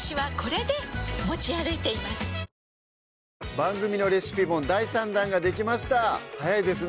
番組のレシピ本第３弾ができました早いですね